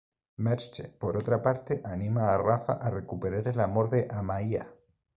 Merche, por otra parte, anima a Rafa a recuperar el amor de Amaia.